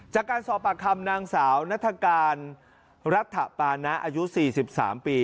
จากการสอบปากคำนางสาวนัฐกาลรัฐปานะอายุ๔๓ปี